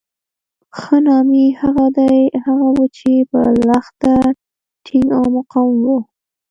ښه نامي هغه وو چې په لښته ټینګ او مقاوم وو.